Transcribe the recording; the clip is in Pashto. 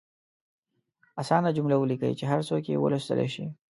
اسانه جملې ولیکئ چې هر څوک یې ولوستلئ شي.